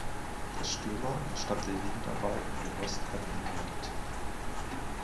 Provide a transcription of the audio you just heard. Der Stürmer entstammt der Jugendarbeit von West Ham United.